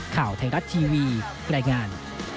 ข่าวไทยรัฐทีวีรายงาน